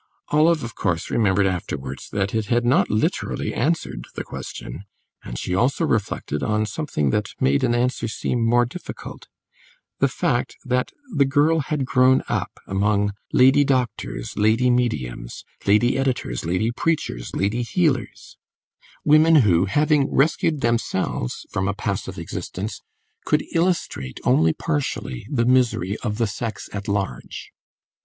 Olive, of course, remembered afterwards that it had not literally answered the question; and she also reflected on something that made an answer seem more difficult the fact that the girl had grown up among lady doctors, lady mediums, lady editors, lady preachers, lady healers, women who, having rescued themselves from a passive existence, could illustrate only partially the misery of the sex at large.